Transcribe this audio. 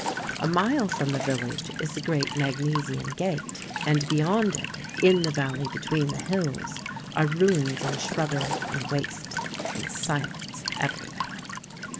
A mile from the village is the great Magnesian gate, and beyond it, in the valley between the hills, are ruins and shrubbery and waste, and silence everywhere.